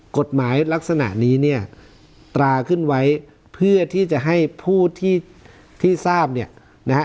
กฎหมายลักษณะนี้เนี่ยตราขึ้นไว้เพื่อที่จะให้ผู้ที่ทราบเนี่ยนะฮะ